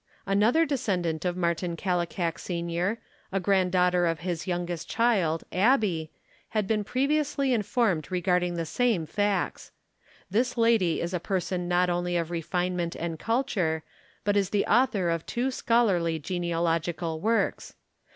Another descendant of Martin Kallikak Sr., a grand daughter of his youngest child, Abbie, had been pre viously informed regarding the same facts. This lady is a person not only of refinement and culture but is the author of two scholarly genealogical works.